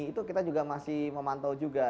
itu kita juga masih memantau juga